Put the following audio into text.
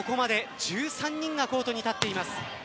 ここまで１３人がコートに立っています。